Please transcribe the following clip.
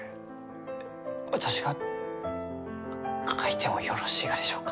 え私が書いてもよろしいがでしょうか？